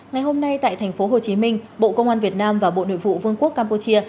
ngày hôm nay tại tp hcm bộ công an việt nam và bộ nội vụ vương quốc campuchia